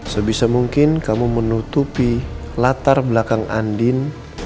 sebisa mungkin kamu menutupi latar belakang andin